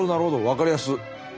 分かりやす！